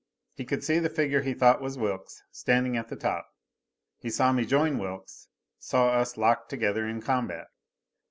He could see the figure he thought was Wilks, standing at the top. He saw me join Wilks, saw us locked together in combat.